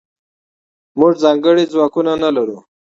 موږځنکړي ځواکونه نلرو